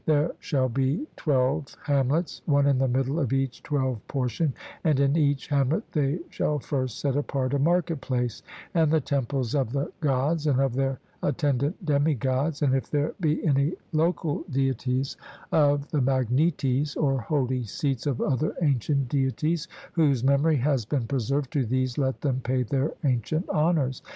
There shall be twelve hamlets, one in the middle of each twelfth portion, and in each hamlet they shall first set apart a market place, and the temples of the Gods, and of their attendant demi gods; and if there be any local deities of the Magnetes, or holy seats of other ancient deities, whose memory has been preserved, to these let them pay their ancient honours.